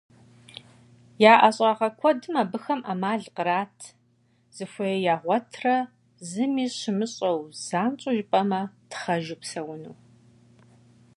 Я ӀэщӀагъэ куэдым абыхэм Ӏэмал кърат зыхуей ягъуэтрэ зыми щымыщӀэу, занщӀэу жыпӀэмэ, тхъэжу псэуну.